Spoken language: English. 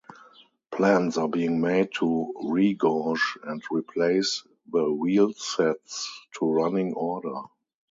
Plans are being made to regauge and replace the wheelsets to running order.